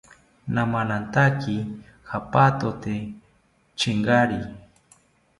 Namamantaki japatote chengari